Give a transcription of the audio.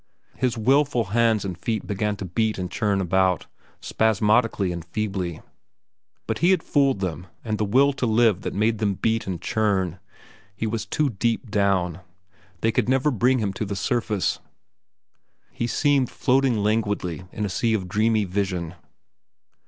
His wilful hands and feet began to beat and churn about, spasmodically and feebly. But he had fooled them and the will to live that made them beat and churn. He was too deep down. They could never bring him to the surface. He seemed floating languidly in a sea of dreamy vision.